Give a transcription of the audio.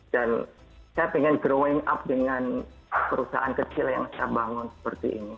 dan saya ingin mengembangkan dengan perusahaan kecil yang saya bangun seperti ini